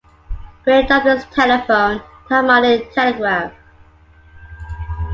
Gray dubbed his telephone "the harmonic telegraph".